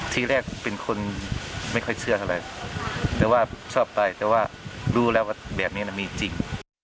ทีแรกเป็นคนไม่ค่อยเชื่ออะไรแต่ว่าชอบไปแต่ว่ารู้แล้วว่าแบบนี้มีจริง